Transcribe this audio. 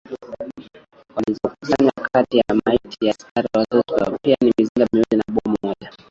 walizokusanya kati ya maiti za askari wa Schutztruppe pia mizinga miwili na bomu moja